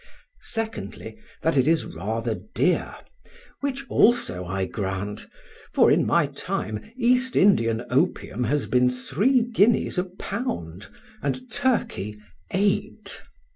Secondly, that it is rather dear, which also I grant, for in my time East Indian opium has been three guineas a pound, and Turkey eight.